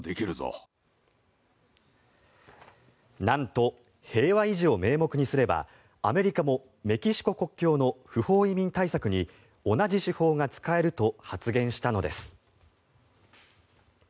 なんと平和維持を名目にすればアメリカもメキシコ国境の不法移民対策に同じ手法が使えると発言したのです。